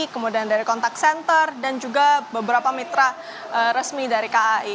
kemudian dari kontak senter dan juga beberapa mitra resmi dari kai